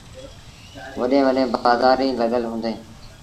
وڏيݩ وٚڏيݩ بآزآريٚݩ لڳل هُݩديٚݩ۔